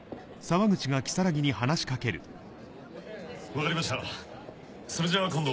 分かりましたそれじゃ今度。